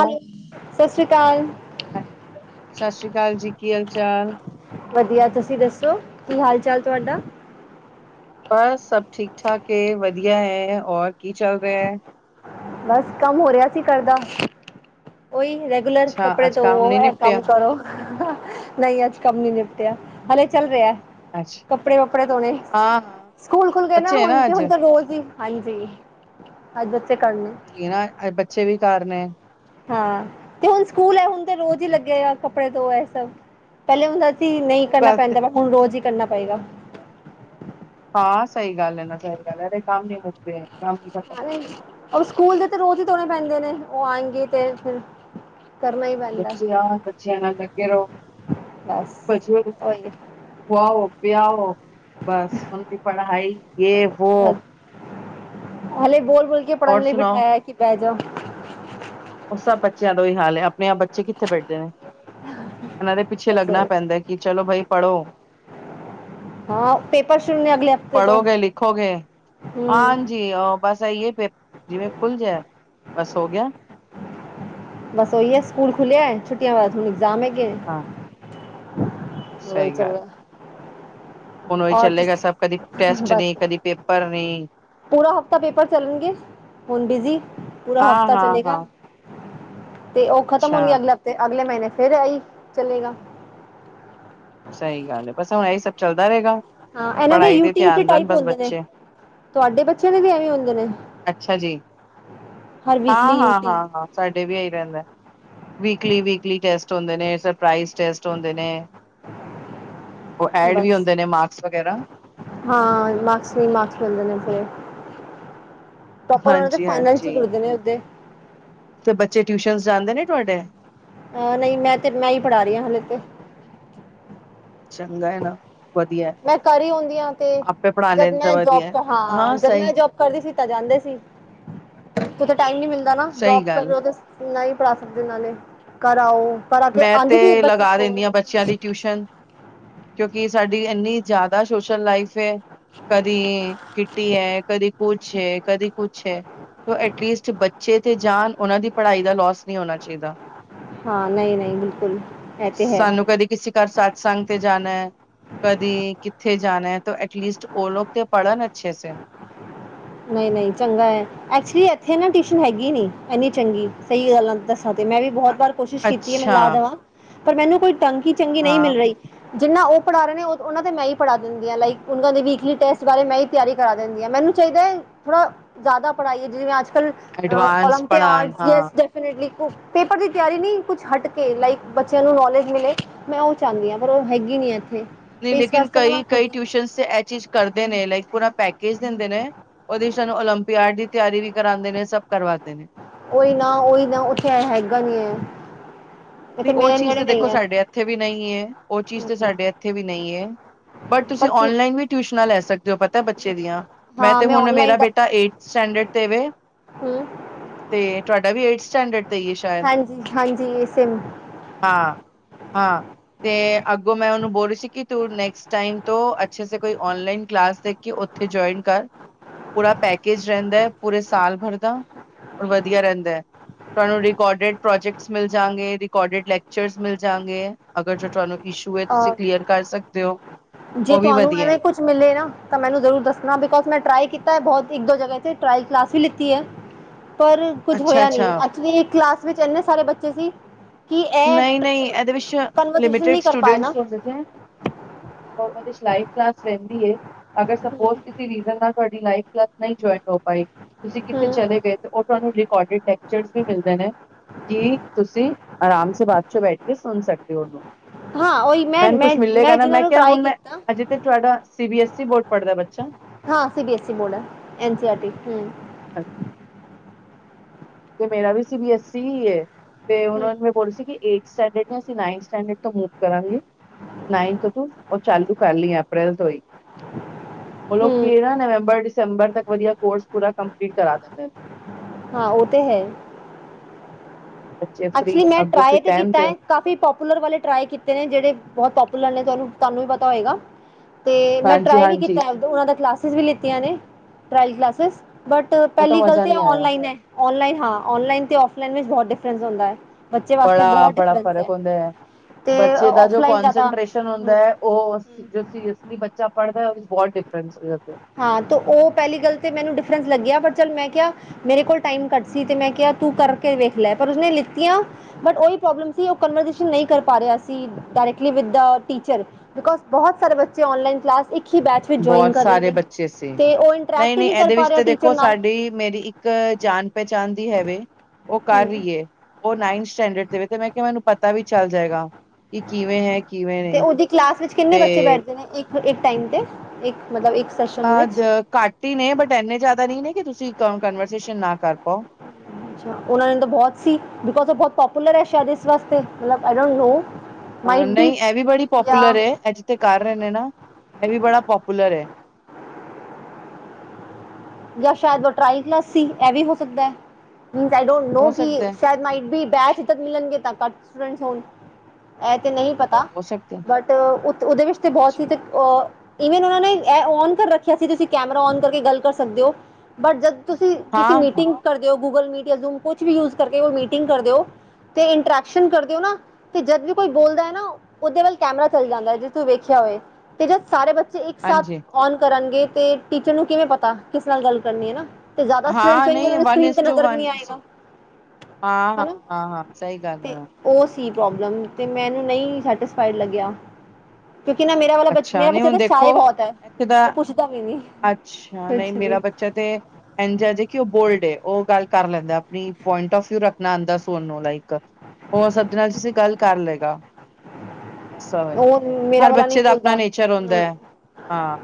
Hello ਸਤਿ ਸ਼੍ਰੀ ਅਕਾਲ। ਹਾਂਜੀ ਸਤਿ ਸ੍ਰੀ ਅਕਾਲ ਜੀ। ਕੀ ਹਾਲ ਚਾਲ ਵਧੀਆਂ ਤੁਸੀਂ ਦੱਸੋਂ ਕੀ ਹਾਲ ਚਾਲ ਤੁਹਾਡਾ। ਬਸ ਸਭ ਠੀਕ ਠਾਕ ਏਂ ਵਧੀਆਂ ਹੈਂ। ਔਰ ਕੀ ਚੱਲ ਰਿਹਾਂ ਏਂ। ਬਸ ਕੰਮ ਹੋ ਰਿਹਾਂ ਸੀ ਘਰ‌ ਦਾ। ਉਹੀ ਰਹਿ ਰੈਗੂਲਰ ਅੱਛਾ ਕੱਪੜੇ ਅੱਜ ਕੰਮ ਧੋਵੋ। ਨੀ ਇਹ ਕੰਮ ਨਿਪਟਿਆ ਕਰੋਂ। ਨਹੀਂ ਅੱਜ਼ ਕੰਮ ਨੀਂ ਨਿੱਪਟਿਆ ਹਲੇ ਚੱਲ ਰਿਹਾਂ। ਅੱਛਾ ਕੱਪੜੇ ਵੱਪੜੇ ਧੋਣੇ। ਹਾਂ ਹਾਂ ਸਕੂਲ ਖੁੱਲ ਗਏ ਨਾ ਬੱਚੇ ਹੈ ਹੁਣ ਤੇ ਅੱਜ ਹੁਣ ਤੇ ਉਹ ਰੋਜ਼ ਹੀ। ਹਾਂਜੀ। ਅੱਜ ਉੱਥੇ ਕਰਨੇਂ। ਵੀ ਨਾ ਅੱਜ ਬੱਚੇ ਵੀ ਘਰ ਨੇਂ। ਹਾਂ ਤੇ ਹੁਣ ਸਕੂਲ ਹੈਂ। ਹੁਣ ਤੇ ਰੋਜ਼ ਹੀ ਹਾਂਜੀ ਲੱਗੇਂ ਆ ਕੱਪੜੇ ਧੋ ਇਹ ਸਭ। ਪਹਿਲੇ ਹੁੰਦਾਂ ਸੀ ਨਹੀਂ ਉਹ ਕਰਨਾਂ ਗੱਲ ਤੇ ਪੈਂਦਾਂ। ਪਰ ਹੁਣ ਰੋਜ਼ ਹੀ ਕਰਨਾਂ ਪਏਗਾ। ਹਾਂ ਸਹੀ ਗੱਲ਼ ਏਂਨਾ ਚਿਰ ਇਹਨਾਂ ਦੇ ਕੰਮ ਨੀਂ ਮੁੱਕਦੇ ਮੁੱਕਦੇ। ਕੰਮ ਖਤਮ ਉਹ ਸਕੂਲ ਦੇ ਤੇ ਰੋਜ਼ ਹੀ ਧੋਣੇ ਪੈਂਦੇ ਨੇਂ। ਉਹ ਆਏਂਗੀ ਤੇ ਫ਼ਿਰ। ਬੱਚੇ ਆਣ ਬੱਚਿਆਂ ਨਾਲ ਲੱਗੇਂ ਰਹੋਂ। ਬਸ ਉਹੀ ਖਵਾਓ ਪਿਆਓ ਬਸ ਉਹਨਾਂ ਦੀ ਪੜ੍ਹਾਈ ਯੇ ਵੋ। ਬਸ ਹਲੇ ਬੋਲ ਬੋਲ ਕੇ ਹੋਰ ਪੜ੍ਹਨ ਲਈ ਸੁਣਾਓ ਬਿਠਾਇਆ ਕਿ ਬਹਿ ਜਾਓ। ਉਹ ਸਭ ਬੱਚਿਆਂ ਦਾ ਉਹੀ ਹਾਲ ਏਂ। ਆਪਣੇਂ ਆਪ ਬੱਚੇ ਕਿੱਥੇ ਬੈਠਦੇ ਨੇਂ। ਇਹਨਾਂ ਦੇ ਪਿੱਛੇ ਬਸ ਲੱਗਣਾਂ ਪੈਂਦਾਂ ਕਿ ਚਲੋਂ ਬਾਈ ਪੜ੍ਹੋਂ। ਹਾਂ ਪੇਪਰ ਸ਼ੁਰੂ ਨੇਂ ਅਗਲੇ ਹਫ਼ਤੇ ਤੋਂ। ਹੂੰ ਜੀ ਬਸ ਅਇਓ ਪੇਪ ਜਿਵੇਂ ਖੁੱਲ ਜੇ ਬਸ ਹੋ ਗਿਆਂ। ਬਸ ਉਹੀ ਹੈਂ ਸਕੂਲ ਖੁੱਲ੍ਹਿਆ ਹੈਂ। ਛੁੱਟੀਆਂ ਬਾਅਦ ਹੁਣ ਇਗਜ਼ਾਮ ਹੈਗੇ ਨੇ। ਹਾਂ ਉਹੀ ਸਹੀ ਤਾਂ ਗੱਲ ਮੈਂ। ਹੁਣ ਉਹੀ ਚੱਲੇਂਗਾ ਸਭ ਕਦੀਂ ਟੈਂਸ਼ਟ ਨੇਂ। ਕਦੀ ਪੇਪਰ ਨੇਂ। ਪੂਰਾਂ ਹਫ਼ਤਾ ਪੇਪਰ ਚੱਲਣਗੇ। ਹੁਣ ਬਿਜੀ ਪੂਰਾ ਹਾਂ ਹਫ਼ਤਾ ਹਾਂ ਚੱਲੇਂਗਾ। ਹਾਂ ਤੇ ਉਹ ਖ਼ਤਮ ਹੋਣਗੇ। ਅੱਛਾ ਅਗਲੇ ਹਫ਼ਤੇ ਅਗਲੇ ਮਹੀਨੇਂ ਫ਼ਿਰ ਇਹੀ ਚੱਲੇਂਗਾ। ਸਹੀ ਗੱਲ਼ ਏਂ। ਬਸ ਹੁਣ ਇਹੀ ਸਭ ਚੱਲਦਾ ਰਹੇਂਗਾ। ਹਾਂ ਇਹਨਾਂ ਦੇ ਯੂਟੀ ਟੇ ਤੇ ਟਾਈਪ ਹੁੰਦੇ ਨੇਂ। ਤੁਹਾਡੇ ਬੱਚਿਆਂ ਦੇ ਵੀ ਐਵੇਂ ਹੁੰਦੇ ਨੇਂ। ਅੱਛਾ ਜੀ ਹਾਂ, ਹਾਂ, ਹਾਂ, ਹਾਂ। ਸਾਡੇ ਵੀ ਇ ਰਹਿੰਦਾ ਵੀਕਲੀਕਲੀ ਟੈਸਟ ਹੁੰਦੇ ਨੇ ਸਰਪ੍ਰ ਟੈਸਟ ਹੁੰਦੇ ਨੇ। ਉਹ ਐਡ ਵੀ ਬਸ ਹੁੰਦੇ ਨੇ ਮਾਰਕਸ ਵਗੈਰਾ। ਹਾਂ ਮਾਰਕਸ ਨਹੀਂ ਮਾਰਕਸ ਮਿਲਦੇ ਨੇ ਫਰੇ ਪ੍ਰੋਪਰ ਉਹਨਾਂ ਦੇ ਹਾਂਜੀ ਫਾਈਨਸ ਹਾਂਜੀ ਖਦੇ ਨੇ ਉਦੇ ਤੇ ਬੱਚੇ ਟਿਊਸ਼ਨ ਜਾਂਦੇ ਨੇ ਤੁਹਾਡੇ? ਹਾਂ ਨਹੀਂ ਮੈਂ ਤੇ ਮੈਂ ਹੀ ਪੜ੍ਹਾ ਰਹੀ ਹਾਂ ਹਲੇ ਤੇ। ਚੰਗਾ ਨਾ। ਵਧੀਆ ਹੈ। ਮੈਂ ਕਰ ਹੀ ਹਉਦੀ ਹਾਂ ਤੇ ਆਪੇ ਜਦ ਪੜ੍ਹਾਣੇ ਤਾਂ ਮੈਂ ਜੋਬ ਵਧੀਆ ਚ ਹਾਂ ਜਦ ਮੈਂ ਸਹੀ ਜੋਬ ਕਰਦੇ ਸੀਤਾ ਜਾਂਦੇ ਸੀ ਕਿਥੇ ਟਾਈਮ ਨੀ ਮਿਲਦਾ ਨਾ ਜੋਬ ਸਹੀ ਗੱਲ ਹੈ ਕਰਨਾ ਤੇ ਨਾ ਹੀ ਪੜ੍ਹਾ ਸਕਦੇ ਨਾਲੇ ਘਰ ਆਓ ਪਰ ਆ ਕੇ ਮੈਂ ਆਉਂਦੇ ਤੇ ਸੀ ਬੱਚੇ ਲਗਾ ਸੋ ਦਿੰਦੀ ਹਾਂ ਰਹੇ ਬੱਚਿਆਂ ਦੀ ਟਿਊਸ਼ਨ ਕਿਉਂਕਿ ਸਾਡੀ ਇੰਨੀ ਜ਼ਿਆਦਾ ਸੋਸ਼ਲ ਲਾਈਫ ਕਦੀ ਕਿੱਟੀ ਹੈ, ਕਦੀ ਕੁਛ ਹੈ, ਕਦੀ ਕੁਛ ਹੈ। ਐਟਲੀਸਟ ਬੱਚੇ ਤੇ ਜਾਣ ਉਹਨਾਂ ਦੀ ਪੜ੍ਹਾਈ ਦਾ ਲੋਸ ਨਹੀਂ ਹੋਣਾ ਚਾਹੀਦਾ। ਹਾਂ ਨਹੀਂ -ਨਹੀਂ ਬਿਲਕੁਲ। ਇਹ ਤੇ ਹੈ ਸਾਨੂੰ ਕਦੇ ਕਿਸੇ ਘਰ ਸਤਸੰਗ ਤੇ ਜਾਣਾ ਹੈ। ਕਦੀ ਕਿੱਥੇ ਜਾਣਾ ਹੈ ਤਾਂ ਐਟਲੀਸਟ ਉਹ ਲੋਕ ਤੇ ਪੜ੍ਹਨ ਅੱਛੇ ਸੇ। ਨਹੀਂ -ਨਹੀਂ ਚੰਗਾ ਹੈ। ਐਕਚੁਲੀ ਇੱਥੇ ਨਾ ਟਿਊਸ਼ਨ ਹੈਗੀ ਨੀ ਇੰਨੀ ਚੰਗੀ ਸਹੀ ਗੱਲਾਂ ਤੇ ਮੈਂ ਵੀ ਬਹੁਤ ਵਾਰ ਕੋਸ਼ਿਸ਼ ਕੀਤੀ ਹੈ ਮੈਂ ਅੱਛਾ ਲਾ ਦੇਵਾਂ ਪਰ ਮੈਨੂੰ ਕੋਈ ਟੰਕੀ ਚੰਗੀ ਨਹੀਂ ਹਾਂ ਮਿਲ ਰਹੀ ਜਿੰਨਾ ਉਹ ਪੜ੍ਹਾ ਰਹੇ ਨੇ ਉਹਨਾਂ ਤੇ ਮੈਂ ਹੀ ਪੜ੍ਹਾ ਦਿੰਦੀ ਆ ਲਾਈਕ ਉਹਨਾਂ ਦੇ ਵੀਕਲੀ ਟੈਸਟ ਬਾਰੇ ਮੈਂ ਤਿਆਰੀ ਕਰਾ ਦਿੰਦੀ ਹੈ ਮੈਨੂੰ ਚਾਹੀਦਾ ਹੈ ਥੋੜਾ ਜ਼ਿਆਦਾ ਪੜ੍ਹਾਈਏ ਜਿਵੇਂ ਅੱਜ ਕੱਲ੍ਹ ਅ ਐਡਵਾਂਸ ਓਲਪਿਕ ਪੜ੍ਹਾਨ ਹਾਂ ਆਰਟ ਪੇਪਰ ਦੀ ਤਿਆਰੀ ਨਹੀਂ ਕੁਛ ਹਟ ਕੇ ਬੱਚਿਆਂ ਨੂੰ ਕੁਛ ਹਤ ਕੇ ਮਿਲੇ ਮੈਂ ਉਹ ਚਾਹੁੰਦੀ ਹਾਂ ਪਰ ਉਹ ਹੈਗੀ ਨੀ ਆ ਇੱਥੇ ਨਹੀਂ ਤੇ ਇਸ ਲੇਕਿਨ ਵਾਸਤੇ ਨਾ ਮੈਂ ਕਈ ਖੁਦ ਕਈ ਹੀ ਟਿਊਸ਼ਨ ਇਹ ਚੀਜ਼ ਕਰਦੇ ਨੇ ਲਾਈਕ ਪੂਰਾ ਪੈਕੇਜ ਦਿੰਦੇ ਨੇ ਉਹਦੀ ਸਾਨੂੰ ਓਲੰਪੀਆਡ ਦੀ ਤਿਆਰੀ ਵੀ ਕਰਾਉਂਦੇ ਨੇ ਸਭ ਕਰਵਾਂਦੇ ਨੇ। ਉਹੀ ਨਾ ਉਓਹੀ ਨਾ ਉੱਥੇ ਹੈਗਾ ਨਹੀਂੀ ਹੈ। ਇੱਥੇ ਵੀ ਉਹ ਮੇਰੇ ਚੀਜ਼ ਨੇੜੇ ਤੇ ਨਹੀਂ ਦੇਖੋ ਹੈ ਸਾਡੇ ਇੱਥੇ ਵੀ ਨਹੀਂ ਹੈ, ਉਹ ਚੀਜ਼ ਤੇ ਸਾਡੇ ਇੱਥੇ ਵੀ ਨਹੀਂ ਹੈ। ਬਟ ਤੁਸੀਂ ਪਰ ਕੀ ਔਨਲਾਈਨ ਵੀ ਟਿਊਸ਼ਨਾਂ ਲੈ ਸਕਦੇ ਹੋ ਪਤਾ ਬੱਚੇ ਦੀਆਂ ਮੈਂ ਹਾਂ ਤੇ ਹੁਣ ਔਨਲਾਈਨ ਮੇਰਾ ਦਾ ਬੇਟਾ ਏ ਸਟੈਂਡਰਡ ਤੇ ਵ ਹੂੰ ਤੇ ਤੁਹਾਡਾ ਵੀ ਏਥ ਸਟੈਂਡਰਡ ਤੇ ਹੀ ਹੈ ਸ਼ਾਇਦ ਹਾਂਜੀ -ਹਾਂਜੀ ਇਹ ਸਿਮ ਹਾਂ- ਹਾਂ। ਤੇ ਅੱਗੋਂ ਮੈਂ ਉਹਨੂੰ ਬੋਲ ਰਹੀ ਸੀ ਕਿ ਤੂੰ ਨੈਕਸਟ ਟਾਈਮ ਤੋਂ ਅੱਛੇ ਸ ਕੋਈ ਆਨਲਾਈਨ ਕਲਾਸ ਦੇਖ ਉੱਥੇ ਜੁਆਇਨ ਕਰ ਪੂਰਾ ਪੈਕੇਜ ਰਹਿੰਦਾ ਹੈ ਪੂਰੇ ਸਾਲ ਭਰ ਦਾ ਰ ਵਧੀਆ ਰਹਿੰਦਾ ਹੈ ਤੁਹਾਨੂੰ ਰਿਕੋਡਡ ਪ੍ਰੋਜੈਕਟਸ ਮਿਲ ਜਾਗੇ ਡਿਡ ਲੈਕਚਰਸ ਮਿਲ ਜਾਂਗੇ ਅਗਰ ਜੋ ਤੁਹਾਨੂੰ ਇਸ਼ੂ ਹੈ ਤੁਸੀਂ ਕਲੀਅਰ ਕਰ ਸਕਦੇ ਹੋ ਉਹ ਵੀ ਵਧੀਆ ਹੈ। ਮਲੇ ਨਾ ਮੈਨੂੰਰ ਦ ਬੋ ਮ ਟ ਕੀਤਾ ਬਹੁਤ ਇੱਕ ਦੋ ਜ ਟਲ ਕਲਾਸ ਲਤੀ ਆ। ਪਰ ਕੁੱਝ ਅੱਛਾ ਹੋਇਆ ਨੀ ਅੱਛਾ ਐਕਚੁਲੀ ਕਲਾਸ ਵਿੱਚ ਇੰਨੇ ਸਾਰੇ ਬੱਚੇ ਸੀ ਕਿ ਇਹ ਨਹੀਂ- ਨਹੀਂ ਇਹਦੇ ਵਿੱਚ ਕਨਵਰਜੇਸ਼ਨ ਲਿਮਟਡ ਨਹੀਂ ਕਰ ਟੂਡਦੇ ਪਾਏ ਨਾ ਲਵ ਕਲਾਸ ਰਹਿੰਦੀ ਹੈ ਅਗਰ ਸਪੋ ਰੀਜ਼ ਨਾਲ ਤੁਹਾਡੀ ਲਾਈਫ ਕਲੱਬ ਨਹੀਂ ਜੁਆਇਨ ਹੋ ਪਾਾਈ ਤੁਸੀਂ ਕਿੱਥੇ ਹੂੰ ਚਲੇ ਗਏ ਤੇ ਉਹ ਤੁਹਾਨੂੰ ਰਿਕੋਡਿਡ ਲੈਕਚਰਸ ਵੀ ਮਿਲਦੇ ਨੇ ਕਿ ਤੁਸੀਂ ਆਰਾਮ ਸ ਬਾਦ ਚੋਂ ਬੈਠ ਕੇ ਸੁਣ ਸਕਤੀ ਹੋ ਉਹ ਹਾਂ ਉਹੀ ਮੈਂ ਮੈਨੂੰ ਮੈਂ ਕੁਛ ਮਿਲਲੇਗਾ ਨਾ ਜਿਨ੍ਹਾਂ ਮੈਂ ਨੂੰ ਕਿਹਾਿਆ ਟਰਾਈ ਹੁਣ ਮੈਂ ਕੀਤਾ ਅਜਿਤ ਤੇ ਤੁਹਾਡਾ C B S E board ਪੜ੍ਹਦਾ ਬੱਚਾ। ਹਾਂ ਸੀ ਬੀ ਐੱਸ ਬੋਰਡ ਹੈ ਐਨ ਸੀ ਆਰ ਟੀ ਹਮ ਹ ਤੇ ਮੇਰਾ ਵੀ ਸੀ ਬੀ ਐੱਸ ਈ ਤੇ ਹੂੰ ਉਹਨਾਂ ਲ ਸੀ ਸਟਡਡ ਅਸੀਂਥ ਸਟੈਂਡਰਡ ਤੋਂ ਮੂਵ ਕਰਾਂਗੇ। ਨਾਈਨਥ ਤੂੰ ਉਹ ਚਾਲੂ ਕਰ ਲਈ ਆ ਅਪ੍ਰੈਲ ਤੋਂ ਹੀ ਉਹ ਲੋਕ ਹੂੰ ਨਾ ਨਵੰਬਰ- ਦਸੰਬਰ ਤੱਕ ਵਧੀਆ ਕੋਰਸ ਪੂਰਾ ਕੰਪਲੀਟ ਕਰਾ ਦਿੰਦੇ ਨੇ। ਹਾਂ, ਉਹ ਤੇ ਹੈ। ਬੱਚੇ ਫ੍ਰੀ ਐਕਚੁਲੀ ਮੈਂ ਅੱਗੋਂ ਫਿਰ ਟਰਾਏ ਤੇ ਕੀਤਾ ਹੈ। ਕਾਫੀ ਪਾਪੂਲਰ ਵਾਲੇ ਟ ਕੀਤੇ ਨੇ ਜਿਹੜੇ ਬਹੁਤ ਪਾਪੂਲਰ ਨੇ ਤੁਹਾਨੂੰ ਵੀ ਪਤਾ ਹੋਏਗਾ। ਤੇ ਮੈਂ ਹਾਂਜੀ ਟ੍ਰ ਵੀ ਹਾਂਜੀ ਕੀਤਾ ਦਾ ਕਲਾਸ ਲਆਂ ਨੇ ਟ ਕਲਾਸ। ਬ ਬਟ ਪਹਿਲੀ ਉਹ ਗੱਲ ਮਜ਼ਾ ਤੇ ਨਹੀਂ ਆਇਆ ਔਨਲਾਈਨ ਹੈ। ਔਨਲਾਈਨ ਹਾਂ। ਔਨਲਾਈਨ ਤੇ ਔਫਲਾਈਨ ਵਿਚ ਬਹੁਤ ਡਿਫਰਨਸ ਹੁੰਦਾ। ਬੱਚੇ ਵਾਸਤੇ ਬੜਾ- ਬਹੁਤ ਬੜਾ ਡਿਫਰੈਂਸ ਫਰਕ ਹੁੰਦਾ ਹੈ। ਤੇ ਬੱਚੇ ਦਾ ਜੋ ਔਫਲਾਈਨ ਜ਼ਿਆਦਾ ਕੋਂਸਟ੍ਰੇਸ਼ਨ ਹਮ ਹੁੰਦਾ ਹੈ। ਉਹ ਜੋ [unintelligible] ਸੀਰੀਸਲੀ ਬੱਚਾ ਪੜਦਾ ਉਹਦੇ ਬਹੁਤ ਡਿਫਰਸ ਹਾਂ। ਤਾਂ ਉਹ ਪਹਿਲੀ ਗੱਲ ਤਾਂ ਮੈਨੂੰ ਡਿਫਰੈਂਸ ਲੱਗਿਆ। ਪਰ ਚੱਲ ਮੈਂ ਕਿਹਾ ਮੇਰੇ ਕੋਲ ਟਾਈਮ ਘੱਟ ਸੀ ਤੇ ਮੈਂ ਕਿਹਾ ਤੂੰ ਕਰਕੇ ਵੇਖ ਲੈ। ਪਰ ਉਸਨੇ ਲਿੱਤੀਆਂ। ਪਰ ਉਹ ਹੀ ਪਰੋਲਮ ਸੀ ਕਿ ਉਹ ਕਨਵਸ਼ਸ਼ਨ ਨਹੀਂ ਕਰ ਪਾ ਰਿਹਾ ਸੀ directly with the teacher. Because ਬਹੁਤ ਸਾਰੇ ਬੱਚੇ ਉਨਲਾਈਨ ਕਲਾਸ ਇਕ ਹੀ ਬੈਚ ਵਿਚ ਜੁਆਇਨ ਬਹੁਤ ਕਰ ਰਹੇ ਸਾਰੇ ਨੇ। ਬੱਚੇ ਸੀ ਤੇ ਉਹ ਇੰਟਰੈਕਟ ਹੀ ਨਹੀਂ ਕਰ ਇਹਦੇ ਪਾ ਵਿੱਚ ਰਿਹਾ ਤੇ ਟੀਚਰ ਦੇਖੋ ਨਾਲ। ਸਾਡੀ ਮੇਰੀ ਇੱਕ ਜਾਣ- ਪਹਿਚਾਣ ਦੀ ਹੈਵੇ ਉਹ ਕਰ ਹੂੰ ਰਹੀਏ, ਉਹ ਨਾਇਨਥ ਸਟੈਂਡਰਡ ਤੇ ਤੇ ਮੈਂ ਕਿਹਾ ਮੈਨੂੰ ਪਤਾ ਵੀ ਚੱਲ ਜਾਏਗਾ। ਕਿ ਕਿਵੇਂ ਹੈ ਕਿਵੇਂ ਤੇ ਨਹੀਂ ਉਹਦੀ ਕਲਾਸ ਵਿੱਚ ਕਿੰਨੇ ਬੱਚੇ ਤੇ ਬੈਠਦੇ ਨੇ ਇੱਕ ਫ ਇੱਕ ਟਾਈਮ ਤੇ ਇੱਕ ਮਤਲਬ ਇੱਕ, ਸੈਸ਼ਨ ਵਿੱਚ ਅ ਘੱਟ ਹੀ ਨੇ, ਬਟ ਇੰਨੇ ਜ਼ਿਆਦਾ ਨਹੀਂ ਨੇ ਕਿ ਤੁਸੀਂ ਕਨਵਰਸੇਸ਼ਨ ਨਾ ਕਰ ਪਾਓ। ਉਹਨਾ ਦੇ ਬਹੁਤ ਸੀ, ਬਿਕੋਸ ਪੋਪੁਲਰ ਹੈ ਸ਼ਇਦ ਇਸ ਵਾਸਤੇ ਏ ਡੋਟ ਨੋ। ਮਾਈਟ ਨਹੀਂ ਬੀ ਇਹ ਵੀ ਬੜੀ ਜਾਂ ਪੋਪੁਲਰ ਹੈ, ਇਹ ਜਿੱਥੇ ਕਰ ਰਹੇ ਨੇ, ਨਾ ਇਹ ਵੀ ਬੜਾ ਪੋਪੁਲਰ ਹੈ। ਜਾਂ ਸ਼ਾਇਦ ਟਰਾਈ ਕਲਾਸ ਸੀ ਇਹ ਵੀ ਹੋ ਸਕਦਾ ਹੈ। ਮੀਨ ਆਈ ਡੋਂਟ ਨੋ ਹੋ ਸਕਦਾ ਹੈ [unintelligible] ਮਿਲਣਗੇ ਤਾਂ ਘੱਟ ਸਟੂਡੈਂਟਸ ਹੋਣ, ਇਹ ਤੇ ਨਹੀਂ ਪਤਾ ਹੋ ਸਕਦਾ ਹੈ ਬਟ ਉ ਉਹਦੇ ਵਿੱਚ ਤੇ ਬਹੁਤ ਹਾਂਜੀ ਹੀ ਅ ਈਵਨ ਉਹਨਾਂ ਨੇ ਇਹ ਓਨ ਕਰ ਰੱਖਿਆ ਸੀ ਤੁਸੀਂ ਕੈਮਰਾ ਓਨ ਕਰਕੇ ਗੱਲ ਕਰ ਸਕਦੇ ਹੋ। ਬਟ ਜਦ ਤੁਸੀਂ ਕਿਸ ਹਾਂ ਹਾਂ ਮੀਟਿੰਗ ਕਰਦੇ ਹੋ, ਗੂਗਲ ਮੀਟ ਜਾਂ ਜ਼ ਕੁਛ ਵੀ ਯੂ ਕਰਕੇ ਮੀਟਿੰਗ ਕਰਦੇ ਹੋ, ਤੇ ਇੰਟਰੈਕਸ਼ਨ ਕਰਦੇ ਹੋ ਨਾ, ਤੇ ਜਦ ਵੀ ਕੋਈ ਬੋਲਦਾ ਹੈ ਨਾ, ਉਹਦੇ ਵੱਲ ਕੈਮਰਾ ਚੱਲ ਜਾਂਦਾ ਹੈ, ਜਿਸ ਤੂੰ ਵੇਖਿਆ ਹੋਵੇ ਤੇ ਜਦ ਸਾਰੇ ਬੱਚੇ ਇੱਕ ਸਾਥ ਹਾਂਜੀ ਓਨ ਕਰਨਗੇ ਤੇ ਟੀਚਰ ਨੂੰ ਕਿਵੇਂ ਪਤਾ, ਕਿਸ ਨਾਲ ਗੱਲ ਕਰਨੀ ਹੈ। ਤੇ ਜ਼ਿਆਦਾ ਸਟੂਡੈਟਸ ਹਾਂ ਨਹੀਂ ਨੂੰ ਸਕਰੀਨ ਤੇ ਨਜ਼ਰ ਵੀ ਨਹੀਂ ਆਏਗਾ। ਹਨਾ ਹਾਂ-ਹਾਂ-ਹਾਂ-ਹਾਂ ਸਹੀ ਗੱਲ ਤੇ ਹੈ। ਉਹ ਸੀ ਪ੍ਰੋਬਲਮ, ਤੇ ਮੈਨੂੰ ਨਹੀਂ ਸੈਟਿਸਫਾਈਡ ਲੱਗਿਆ। ਕਿਉਂਕਿ ਨਾ ਮੇਰਾ ਵਾਲਾ ਅੱਛਾ ਮੇਰਾ ਨਹੀਂ ਬੱਚਾ ਹੁਣ ਤਾਂ ਸ਼ਾਇ ਹੀ ਦੇਖੋ ਬਹੁਤ ਹੈ, ਇੱਥੇ ਦਾ ਉਹ ਪੁੱਛਦਾ ਵੀ ਨੀ। ਅੱਛਾ, ਨਹੀਂ ਮੇਰਾ ਬੱਚਾ ਤੇ, ਇੰਝਾ ਜੇ ਕਿ ਉਹ ਬੋਲਡ ਉਹ ਗੱਲ ਕਰ ਲੈਂਦਾ। ਪੁਆਇੰਟ ਔਫ ਵਿਊ ਰੱਖਣਾ ਆਉਂਦਾ ਸਣਨ ਨੂੰ ਲਾਈਕ। ਉਹ ਸਭਦੇ ਨਾਲ ਤੁਸੀਂ ਗੱਲ ਕਰ ਲਏਗਾ। ਐਸਾ ਹੋਏ ਉਹ ਮੇਰਾ ਹਰ ਵਾਲਾ ਨਹੀਂ ਬੱਚੇ ਦਾ ਬੋਲਦਾ ਆਪਣਾ ਨੇਚਰ ਹੁੰਦਾ ਹਾਂ ਹੈ, ਹਾਂ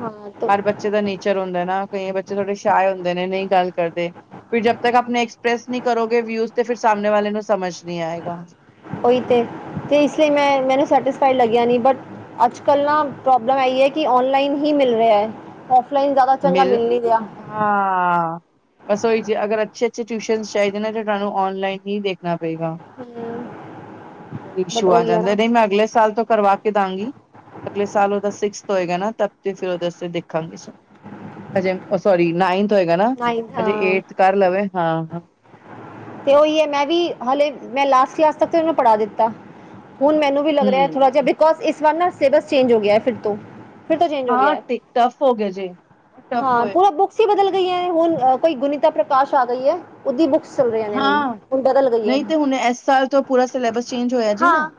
ਹਰ ਬੱਚੇ ਦਾ ਨੇਚ ਚਲੋ ਹੁੰਦਾ ਨਾ, ਕਈ ਬੱਚੇ ਥੋੜੇ ਸ਼ਾਏ ਹੁੰਦੇ ਨੇ ਨਹੀਂ ਗੱਲ ਕਰਦੇ। ਫਿਰ ਜਦ ਤੱਕ ਆਪਣੇ ਐਕਸਪ੍ਰੈਸ ਨਹੀਂ ਕਰੋਗੇ ਵਿਊਜ਼ ਤੇ ਫਿਰ ਸਾਹਮਣੇ ਵਾਲੇ ਨੂੰ ਸਮਝ ਨੀ ਆਏਗਾ। ਉਹੀ ਤੇ, ਤੇ ਇਸ ਲਈ ਮੈਂ ਮੈਨੂੰ ਸੈਟਿਸਫਾਈ ਲੱਗਿਆ ਨੀ ਬ ਅੱਜ ਕੱਲ੍ਹ ਨਾ ਪ੍ਰੋਬਲਮ ਆਈ ਹੈ ਕਿ ਅਨਲਾਈਨ ਹੀ ਮਿਲ ਰਿਹਾ ਹੈ। ਔਫਲਾਈਨ ਜ਼ਿਆਦਾ ਚੰਗਾ ਮਿਲ ਨੀ ਰਿਹਾ। ਹਾਂ, ਬਸ ਉਹੀ ਚੀ ਅਗਰ ਅੱਛੇ- ਅੱਛੇ ਟਿਊਸ਼ਨ ਚਾਹੀਦੇ ਨੇ ਤੁਹਾਨੂੰ ਆਨਲਾਈਨ ਹੀ ਦੇਖ ਕਰਨਾ ਪਏਗਾ ਉਹੀ ਬਟ ਇਸ਼ੂ ਆ ਹੈ ਨਾ ਜਾਂਦਾ ਨਹੀਂ ਮੈਂ ਅਗਲੇ ਸਾਲ ਤੋਂ ਕਰਵਾ ਦਾਂਗੀ, ਅਗਲੇ ਸਾਲ ਉਹਦਾ ਸਿਕਸ ਹੋਏਗਾ ਨਾ ਤਬ ਤੇ ਫਿਰ ਉਹਦੇ ਦੇਖਾਂਗੇ। ਹਜੇ, ਸੋਰੀ ਨਾਈਨਥ ਹੋਏਗਾ ਨਾ, ਨਹੀਂ ਅਜੇ ਹਾਂ ਏੜਥ ਕਰ ਲਵੇ ਹਾਂ, ਹਾਂ। ਤੇ ਉਹੀ ਹੈ, ਮੈਂ ਵੀ ਹਾਲੇ ਮੈਂ ਲਾਸਟ ਕਲਾਸ ਤੱਕ ਉਹਨੂੰ ਪੜ੍ਹਾ ਦਿੱਤਾ, ਹੁਣ ਮੈਨੂੰ ਵੀ ਲੱਗ ਰਿਹਾ, ਹਮ ਥੋੜਾ ਜਿਹਾ, ਬਿਕੋਜ ਇਸ ਵਾਰ ਨਾ ਸਿਲੇਬਸ ਚੇਂਜ ਹੋ ਗਿਆ, ਫਿਰ ਤੋਂ ਫਿਰ ਤੋਂ ਚੇਂਜ ਹੋ ਗਿਆ ਹਾਂ ਹੈ, ਟਫ ਹੋ ਗਿਆ ਜੇ ਉਹ ਟਫ ਹਾਂ, ਹੋਏ ਪੂਰਾ ਬੁੱਕ ਬੁਕਸ ਬਦਲ ਗਈ ਹੈ ਹੁਣ ਕੋਈ ਗੁਣੀਤਾ ਪ੍ਰਕਾਸ਼ ਆ ਗਈ ਹੈ। ਉਹਦੀ ਬੁੱਕਸ ਚੱਲ ਰਹੀਆਂ ਨੇ ਹਾਂ ਹੁਣ-ਹੁਣ ਬਦਲ ਗਈ ਹੈ, ਨਹੀਂ ਤੇ ਹੁਣ ਇਸ ਸਾਲ ਤੋਂ ਪੂਰਾ ਸਿਲੇਬਸ ਚੇਂਜ ਹੋਇਆ ਜੀ ਹਾਂ ਨਾ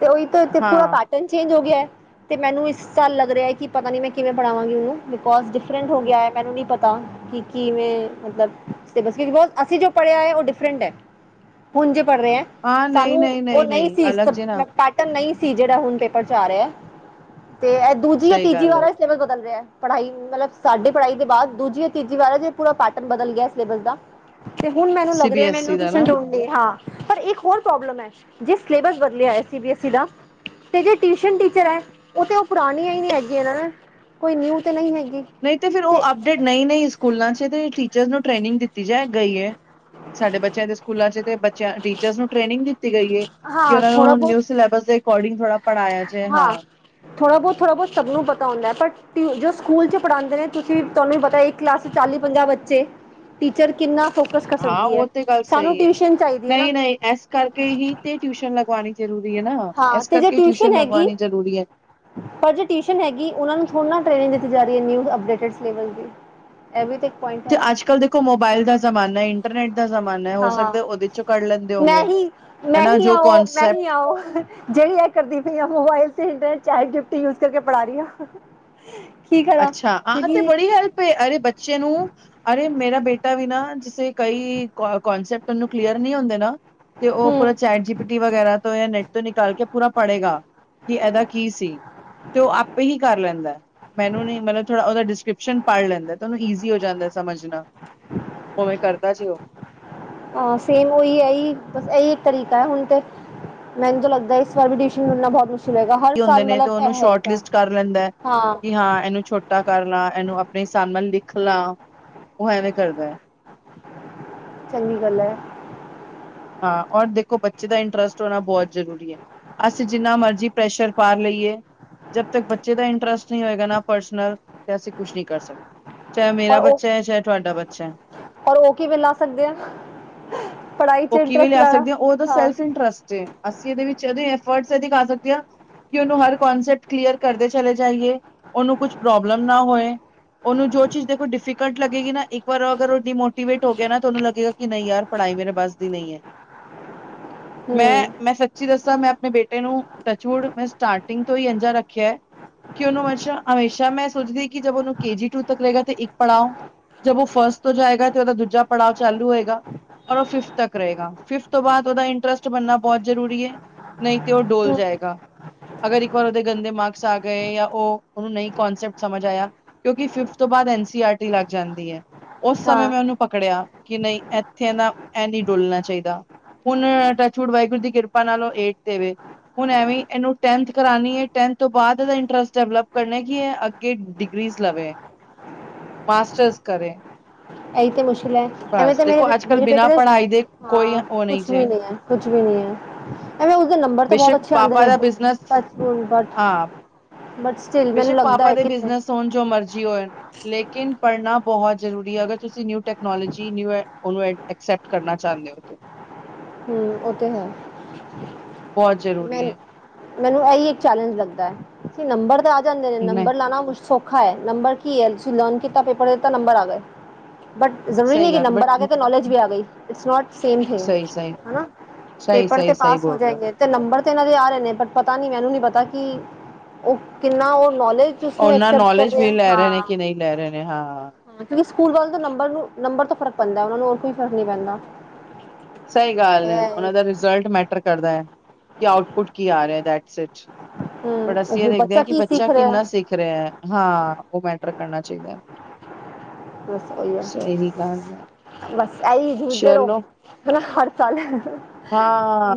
ਤੇ ਉਹੀ ਤਾਂ ਪੂਰਾ ਹਾਂ ਪੈਟਰਨ ਚੇਂਜ ਹੋ ਗਿਆ। ਤੇ ਮੈਨੂੰ ਇਸ ਸਾਲ ਲੱਗ ਰਿਹਾ ਹੈ ਕਿ ਪਤਾ ਨੀ ਮੈਂ ਕਿਵੇਂ ਪੜ੍ਹਾਵਾਂਗੀ ਉਹਨੂੰ ਬਿਕੋਜ ਡਿਫਰੈਂਟ ਹੋ ਗਿਆ ਮੈਨੂੰ ਨਹੀਂ ਪਤਾ ਕਿ ਕੀਵੇਂ ਮਤਲਬ ਸਿਲੇਬਸ ਬਹੁਤ ਅਸੀਂ ਜੋ ਪੜ੍ਹਿਆ ਹੈ ਉਹ ਡਿਫਰੈਂਟ ਹੈ, ਹੁਣ ਜੇ ਪੜ੍ਹ ਰਹੇ ਹਾਂ ਸਾਨੂੰ ਉਹ ਨਹੀਂ ਸੀ ਨਹੀਂ ਸੀ ਜਿਹੜਾ ਹੁਣ ਪੇਪਰ ਚ ਆ ਰਿਹਾ, ਤੇ ਇਹ ਦੂਜੀ ਆ ਸਹੀ ਤੀਜੀ ਗੱਲ ਵਾਰ ਹੈ ਏ ਬਦਲ ਰਿਹਾ ਪੜਾਈ ਮਤਲਬ ਸਾਡੀ ਪੜ੍ਹਾਈ ਦੇ ਬਾਅਦ ਦੂਜੀ ਤੀਜੀ ਵਾਰੇ ਪੂਰਾ ਪੈਟਰਨ ਬਦਲ ਗਿਆ ਸਿਲੇਬਸ ਦਾ। ਤੇ ਹੁਣ ਮੈਨੂੰ ਸੀ ਲੱਗ ਬੀ ਰਿਹਾ ਐਸ ਮੈਨੂੰ ਈ ਦਾ ਨਾ ਟਿਊਸ਼ਨ ਡੋ ਹਾਂ ਪਰ ਇੱਕ ਹੋਰ ਪ੍ਰੋਬਲਮ ਹੈ ਜੇ ਸਿਲੇਬਸ ਬਦਲਿਆ ਸੀ ਬੀ ਐ ਸੀ ਦਾ ਤੇ ਜੇ ਟਿਊਸ਼ਨ ਟੀਚਰ ਹੈ ਉਹ ਤੇ ਉਹ ਪੁਰਾਣੀਆਂ ਹੀ ਨਹੀਂ ਹੈਗੀਆਂ ਕੋਈ ਨਿਊ ਤੇ ਨਹੀਂ ਹੈਗੀ। ਨਹੀਂ ਤੇ ਫਿਰ ਉਹ ਅਪਡੇਟ ਨਹੀਂ-ਨਹੀਂ ਸਕੂਲਾਂ ਚ ਤੇ ਟੀਚਰ ਨੂੰ ਟ੍ਰੇਨਿੰਗ ਦਿੱਤੀ ਜਾ ਗਈ ਐ ਸਾਡੇ ਬੱਚਿਆਂ ਦੇ ਸਕੂਲਾਂ ਚ ਤੇ ਬੱਚਿਆਂ ਟੀਚਰਸ ਨੂੰ ਟ੍ਰੇਨਿੰਗ ਦਿੱਤੀ ਗਈ ਏ ਕਿ ਹਾਂ ਉਹਨਾਂ ਥੋੜਾ ਨੂੰ ਬਹੁਤ ਨਿਊ ਸਿਲੇਬਸ ਦੇ ਅਕੋਰਡਿੰਗ ਥੋੜਾ ਹਾਂ ਥੋੜ੍ਹਾ ਬਹੁਤ ਥੋੜ੍ਹਾ ਬਹੁਤ ਸਭ ਨੂੰ ਪਤਾ ਹੁੰਦਾ ਐ ਬਟ ਜੋ ਸਕੂਲ ਚ ਪੜ੍ਹਾਂਦੇ ਨੇ ਤੁਸੀਂ ਤੁਹਾਨੂੰ ਪਤਾ ਇੱਕ ਕਲਾਸ ਚ ਚਾਲੀ ਪੰਜਾਹ ਬੱਚੇ ਟੀਚਰ ਕਿੰਨਾ ਫੋਕਸ ਕਰ ਹਾਂ ਸਕਦੀ ਐ ਉਹ ਤੇ ਗੱਲ ਸਾਨੂੰ ਸਹੀ ਹੈ। ਟਿਊਸ਼ਨ ਚਾਹੀਦੀ ਏ ਨਾ ਨਹੀਂ ਨਹੀਂ ਇਸ ਕਰਕੇ ਹੀ ਤੇ ਟਿਊਸ਼ਨ ਲਗਵਾਉਣੀ ਜ਼ਰੂਰੀ ਹੈ ਨਾ ਹਾਂ ਇਸ ਤੇ ਜੇ ਕਰਕੇ ਟਿਊਸ਼ਨ ਹੈਗੀ ਲਗਵਾਉਣੀ ਜ਼ਰੂਰੀ ਐ ਪਰ ਜੇ ਟਿਊਸ਼ਨ ਹੈਗੀ ਉਹ ਨੂੰ ਥੋੜੀ ਨਾ ਟ੍ਰੇਨਿੰਗ ਦਿੱਤੀ ਜਾ ਰਹੀ ਹੈ ਨਿਊ ਅਪਡੇਟਿਡ ਸਿਲੇਬਸ ਦੀ ਐਵੇ ਵੀ ਤੇ ਇੱਕ ਪਆਇੰਟ ਤੇ ਅੱਜ ਕੱਲ੍ਹ ਦੇਖੋ ਮੋਬਾਇਲ ਦਾ ਜ਼ਮਾਨਾ ਇੰਟਰਨੈਟ ਦਾ ਜ਼ਮਾਨਾ ਹੈ ਹੋ ਹਾਂ ਹਾਂ ਸਕਦਾ ਉਹਦੇ ਚ ਮੈਂ ਹੀ ਮੈਂ ਹੀ ਆਓ ਮੈਂ ਕੌਨਸੈਪਟ ਹੀ ਆਓ ਜਿਹੜੀ ਆ ਕਰਦੀ ਪਈ ਆਂ ਮੋਬਾਇਲ ਤੇ ਚੈਟ ਜੀ ਪੀ ਟੀ ਯੂਜ ਕਰਕੇ ਪੜਾ ਰਹੀ ਆਂ ਠੀਕ ਆ ਅੱਛਾ ਆਹ ਤੇ ਬੜੀ ਹੈਲਪ ਅਰੇ ਬੱਚੇ ਨੂੰ ਅਰੇ ਮੇਰਾ ਬੇਟਾ ਵੀ ਨਾ ਜੇ ਕਈ ਕੋਂਸੈਪਟ ਓਨੂੰ ਕਲੀਅਰ ਨਹੀਂ ਹੁੰਦੇ ਨਾ ਤੇ ਉਹ ਹਮ ਪੂਰਾ ਚੈਟ ਜੀ ਪੀ ਟੀ ਵਗੈਰਾ ਤੋਂ ਜਾਂ ਨੈੱਟ ਤੋਂ ਨਿਕਾਲ ਕੇ ਪੂਰਾ ਪੜ੍ਹੇਗਾ ਕਿ ਇਹਦਾ ਕੀ ਸੀ ਤੇ ਉਹ ਆਪੇ ਹੀ ਕਰ ਲੈਂਦਾ ਮੈਨੂ ਨੀ ਮਤਲਬ ਥੋੜਾ ਉਹਦਾ ਡਿਸਕ੍ਰਿਪਸ਼ਨ ਪੜ੍ਹ ਲੈਂਦਾ ਤਾਂ ਉਹਨੂੰ ਈਜ਼ੀ ਹੋ ਜਾਂਦਾ ਸਮਝਣਾ ਉਵੇਂ ਕਰਦਾ ਜੇ ਉਹ ਹਾਂ ਸੇਮ ਉਹੀ ਏਹੀ ਬਸ ਇਹੀ ਇੱਕ ਤਰੀਕਾ ਹੈ ਹੁਣ ਤਾ ਮੈਨੂੰ ਲੱਗਦਾ ਇਸ ਵਾਰ ਵੀ ਟਿਊਸ਼ਨ ਮਿਲਨਾ ਬਹੁਤ ਮੁ ਹੁੰਦੇ ਨੇ ਤੇ ਉਹਨੂੰ ਸ਼ੋਰਟ ਲਿਸਟ ਕਰ ਲੈਂਦਾ ਕਿ ਹਾਂ ਇਹਨੂੰ ਛੋਟ ਤਾਂ ਕਰ ਲਾਂ ਇਹਨੂੰ ਆਪਣੇ ਹਿਸਾਬ ਨਾਲ ਲਿਖ ਲਾਂ ਉਹ ਐਵੇਂ ਕਰਦਾ ਹੈ ਚੰਗੀ ਗੱਲ ਏ ਹਾਂ ਔਰ ਦੇਖੋ ਬੱਚੇ ਦਾ ਇੰਟਰਸਟ ਹੋਣਾ ਬਹੁਤ ਜ਼ਰੂਰੀ ਏ ਅਸੀਂ ਜਿੰਨਾ ਮਰਜ਼ੀ ਪ੍ਰੈਸ਼ਰ ਪਾ ਲਈਏ ਜਦ ਤੱਕ ਬੱਚੇ ਦਾ ਇੰਟਰਸਟ ਨਹੀਂ ਹੋਏਗਾ ਨਾ ਪਰਸਨਲ ਤੇ ਅਸੀਂ ਕੁਛ ਨਹੀਂ ਕਰ ਸਕਦੇ ਚਾਹੇ ਔਰ ਮੇਰਾ ਉਹ ਬੱਚਾ ਹੈ ਚਾਹੇ ਤੁਹਾਡਾ ਬੱਚਾ ਹੈ ਔਰ ਉਹ ਕਿਵੇਂ ਲਾ ਸਕਦੇ ਆ ਪੜ੍ਹਾਈ ਚ ਉਹ ਕਿਵੇਂ ਇੰਟਰਸਟ ਲਿਆ ਲੈਣਾ ਸਕਦੇ ਆ ਉਹਦਾ ਹਾਂ ਸੈਲਫ ਇੰਟਰਸਟ ਅਸੀਂ ਇਹਦੇ ਵਿੱਚ ਇਹਦੇ ਐਫਰਟ ਇਹਦੇ ਕਰ ਸਕਦੇ ਹ ਕਿ ਉਹਨੂੰ ਹਰ ਕਨਸੈਪਟ ਕਲੀਅਰ ਕਰਦੇ ਚਲੇ ਜਾਈਏ ਉਹਨੂੰ ਕੁਛ ਪ੍ਰੋਬਲਮ ਨਾ ਹੋਏ ਉਹਨੂੰ ਜੋ ਚੀਜ਼ ਦੇਖੋ ਡਿਫੀਕਲਟ ਲੱਗੇਗੀ ਨਾ ਇੱਕ ਵਾਰ ਅਗਰ ਉਹ ਡੀਮੋਟੀਵੇਟ ਹੋ ਗਿਆ ਨਾ ਤੁ ਉਹਨੂੰ ਲੱਗੇਗਾ ਕਿ ਨਹੀਂ ਯਾਰ ਪੜ੍ਹਾਈ ਮੇਰੇ ਬੱਸ ਦੀ ਨਹੀਂ ਹੈ ਮੈਂ ਹਮ ਮੈਂ ਸ ਤੁਸੀਂ ਦੱਸਾਂ ਮੈਂ ਆਪਣੇ ਬੇਟੇ ਨੂੰ ਟੱਚ ਵੁਡ ਮੈਂ ਸਟਾਰਟਿੰਗ ਤੋਂ ਹੀ ਐਦਾਂ ਰੱਖਿਆ ਕਿ ਉਹਨੂੰ [unintelligible] ਹਮੇਸ਼ਾ ਮੈਂ ਸੋਚਦੀ ਹ ਕਿ ਜ ਉਹਨੂੰ ਕੇ ਜੀ ਟੂ ਤੱਕ ਰਹੇਗਾ ਤੇ ਇੱਕ ਪੜ੍ਹਾਓ ਜਬ ਉਹ ਫਰਸਟ ਤੋਂ ਜਾਏਗਾ ਤੇ ਉਹਦਾ ਦੂਜਾ ਪੜਾਅ ਚਾਲੂ ਹੋਏਗਾ ਔਰ ਉਹ ਫਿਫ ਤੱਕ ਰਹੇਗਾ ਫਿਫਥ ਤੋਂ ਬਾਅਦ ਉਹਦਾ ਇੰਟਰਸਟ ਬਣਨਾ ਬਹੁਤ ਜ਼ਰੂਰੀ ਹੈ ਨਹੀਂ ਤੇ ਉਹ ਡੋਲ ਜਾਏਗਾ ਅਗਰ ਇੱਕ ਵਾਰ ਉਹਦੇ ਗੰਦੇ ਮਾਰਕਸ ਆ ਗਏ ਜਾਂ ਉਹ ਉਹਨੂੰ ਨਹੀਂ ਕੋਂਨਸੈਪਟ ਸਮਝ ਆਇਆ ਕਿਉਂਕਿ ਫਿਫਥ ਤੋਂ ਬਾਅਦ ਐਨ ਸੀ ਆਰ ਟੀ ਲੱਗ ਜਾਂਦੀ ਐ। ਉਸ ਸਮੇਂ ਹਾਂ ਮੈਂ ਉਹਨੂੰ ਪਕੜਿਆ ਕਿ ਨਹੀਂ ਇੱਥੇ ਨਾ ਇਹ ਨਹੀਂ ਡੁਲਣਾ ਚਾਹੀਦਾ। ਹੁਣ ਟੱਚ ਵੁੱਡ ਵਾਹਿਗੁਰੂ ਦੀ ਕਿਰਪਾ ਨਾਲੋਂ ਏਠ ਦੇ ਵਿੱਚ ਹੁਣ ਐਵੇਂ ਇਹਨੂੰ ਟੈਨਥ ਕਰਾਉਣੀ ਐ ਟੈਨਥ ਤੋਂ ਬਾਅਦ ਇਹਦਾ ਇੰਟਰਸਟ ਡਿਵਲਪ ਕਰਨਾ ਕੀ ਇਹ ਅੱ ਕਿ ਡਿਗਰੀਜ਼ ਲਵੇ। [unintelligible] ਮਾਸਟਰਸ ਕਰੇ। ਇਹੀ ਤੇ ਮੁਸ਼ਕਿਲ ਐ ਐਵੇਂ ਬਸ ਤੇ ਦੇਖੋ ਮੇਰੇ ਅੱਜ ਕੱਲ ਮੇਰੇ ਬੇਟੇ ਬਿਨਾਂ ਦਾ ਪੜ੍ਹਾਈ ਦੇ ਕੋਈ ਹਾਂ, ਉਹ ਕੁਛ ਵੀ ਜੇ ਨਹੀਂ ਐ। ਕੁਝ ਵੀ ਨਹੀਂ ਐ। ਐਵੇਂ ਉਸਦੇ ਨੰਬਰ ਤੇ ਬਹੁਤ ਬੇਸ਼ੱਕ ਅੱਛੇ ਆਉਂਦੇ ਪਾਪਾ ਰਹੇ, ਦਾ ਬਿਜ਼ਨਸ ਪਰ ਸਕੂਲ ਬਟ ਹਾਂ ਬਟ ਸਟਿਲ ਮੈਨੂੰ ਲੱਗਦਾ ਏ ਬਿਜਨਸ ਹੋਣ ਜੋ ਮਰਜ਼ੀ ਹੋਏ ਲੇਕਿਨ ਪੜ੍ਹਨਾ ਬਹੁਤ ਜ਼ਰੂਰੀ ਐ ਅਗਰ ਤੁਸੀਂ ਨਿਊ ਟੈਕਨੋਲੋਜੀ, ਨਿਊ ਉਹਨੂੰ ਐਡ ਐਕਸੈਪਟ ਕਰਨਾ ਚਾਹੁੰਦੇ ਓ। ਓ ਤੇ ਹੈ। ਬਹੁਤ ਮੈ ਜ਼ਰੂਰੀ ਹੈ ਮੈਨੂੰ ਇਹੀ ਇੱਕ ਚੈਲੇਂਜ ਲੱਗਦਾ ਐ, ਨੰਬਰ ਤੇ ਆ ਜਾਂਦੇ ਨੇ ਨਹੀਂ ਨੰਬਰ ਲਾਉਣਾ ਮੁਸ਼ਕਿਲ ਸੌਖਾ ਐ, ਨੰਬਰ ਕੀ ਐ ਤੁਸੀਂ ਲੋਨ ਕੀਤਾ ਪੇਪਰ ਦਿੱਤਾ ਨੰਬਰ ਆ ਗਏ। ਬਟ ਜ਼ਰੂਰੀ ਨਹੀਂ ਸਹੀ ਕਿ ਗੱਲ ਨੰਬਰ ਆ ਗਏ ਬਟ ਤਾਂ ਨੌਲੇਜ ਵੀ ਆ ਗਈ ਇਟਸ ਨੋਟ ਸੇਮ ਏ, ਸਹੀ ਸਹੀ ਹਨਾ ਸਹੀ ਪੇਪਰ ਸਹੀ ਤੇ ਸਹੀ ਪਾਸ ਹੋ ਬੋਲ ਰਹੇ ਜਾਏਗੇ। ਤੇ ਨੰਬਰ ਤੇ ਇਹਨਾਂ ਦੇ ਆ ਰਹੇ ਨੇ ਬਟ ਪਤਾ ਨੀ ਮੈਨੂੰ ਨੀ ਪਤਾ ਕਿ ਉਹ ਕਿੰਨਾ ਉਹ ਨੌਲੇਜ ਤੁਸੀਂ ਉਹਨਾਂ ਐਕਸੈਪਟ ਕਰ ਨੌਲੇਜ ਰਹੇ ਵੀ ਆ ਲੈ ਨੇ ਕਿ ਹਾਂ। ਨਹੀਂ ਲੈ ਰਹੇ ਨੇ ਹਾਂ ਕਿਉਂਕਿ ਸਕੂਲ ਵਾਲੇ ਤੋਂ ਨੰਬਰ ਨੂੰ ਨੰਬਰ ਤੋਂ ਫ਼ਰਕ ਪੈਂਦਾ, ਉਹਨਾ ਨੂੰ ਹੋਰ ਕੋਈ ਫ਼ਰਕ ਨਹੀਂ ਪੈਂਦਾ। ਸਹੀ ਗੱਲ ਐ, ਇਹ ਉਹਨਾਂ ਦਾ ਰਿਜ਼ਲਟ ਮੈਟਰ ਕਰਦਾ ਐ। ਕਿ ਆਊਟਪੁੱਟ ਕੀ ਆ ਰਿਹਾ ਡੈਟਸੀਟ ਹੂੰ ਬਟ ਅਸੀਂ ਇਹ ਉਹ ਦੇਖਦੇ ਹਾਂ ਕਿ ਕੀ ਬੱਚਾ ਸਿੱਖ ਰਿਹਾ ਕਿੰਨਾ ਸਿੱਖ ਸਿਖ ਰਿਹਾ, ਹਾ ਉਹ ਮੈਟਰ ਕਰਨਾ ਚਾਹੀਦਾ। ਬਸ ਵਧੀਆ, ਸਹੀ ਗੱਲ ਹੈ ਬਸ ਆਹੀ ਖੀਦੇ ਰੋ ਚਲੋ ਹਨਾ ਹਰ ਸਾਲ ਹਾਂ।